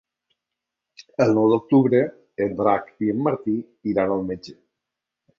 El nou d'octubre en Drac i en Martí iran al metge.